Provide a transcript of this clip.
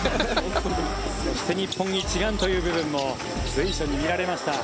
そして日本一丸という部分も随所に見られました。